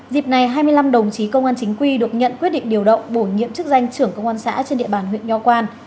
dịp này hai mươi năm đồng chí công an chính quy được nhận quyết định điều động bổ nhiệm chức danh trưởng công an xã trên địa bàn huyện nho quan